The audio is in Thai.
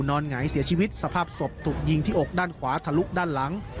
หงายเสียชีวิตสภาพศพถูกยิงที่อกด้านขวาทะลุด้านหลัง